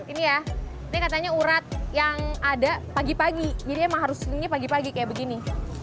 ini ya ini katanya urat yang ada pagi pagi jadi emang harus ini pagi pagi kayak begini